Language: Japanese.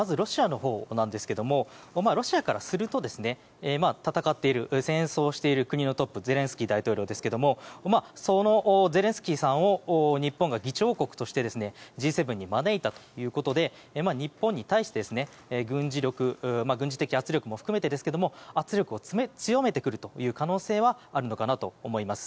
まず、ロシアからすると戦争している国のトップゼレンスキー大統領ですがそのゼレンスキーさんを日本が議長国としてＧ７に招いたということで日本に対して軍事的圧力も含めて圧力を強めてくるという可能性はあるのかなと思います。